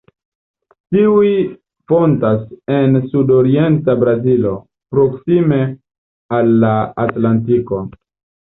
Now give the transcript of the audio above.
Tiuj fontas en sudorienta Brazilo, proksime al la Atlantiko.